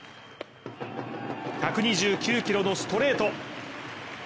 １２９キロのストレート。